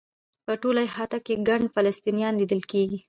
په ټوله احاطه کې ګڼ فلسطینیان لیدل کېږي.